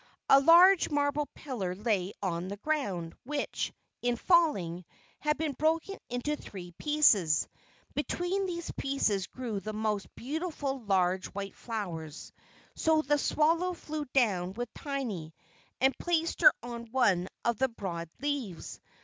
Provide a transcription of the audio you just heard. A large marble pillar lay on the ground, which, in falling, had been broken into three pieces. Between these pieces grew the most beautiful large white flowers; so the swallow flew down with Tiny, and placed her on one of the broad leaves.